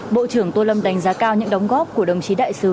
bộ trưởng tô lâm đánh giá cao những đóng góp của đồng chí đại sứ